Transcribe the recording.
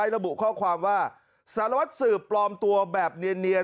ระบุข้อความว่าสารวัตรสืบปลอมตัวแบบเนียน